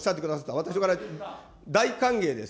私、これ、大歓迎です。